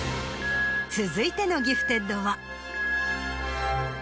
続いてのギフテッドは。